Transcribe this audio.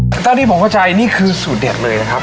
แต่ถ้าที่ผมเข้าใจนี่คือสูตรเด็ดเลยนะครับ